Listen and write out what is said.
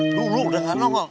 dulu udah gak nongol